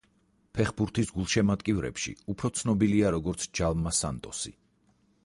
ფეხბურთის გულშემატკივრებში უფრო ცნობილია როგორც ჯალმა სანტოსი.